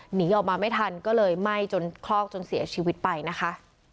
หนีออกมาไม่ทันก็เลยไหม้จนคลอกจนเสียชีวิตไปนะคะ